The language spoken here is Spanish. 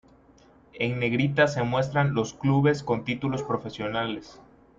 En negrita se muestran los clubes con títulos profesionales.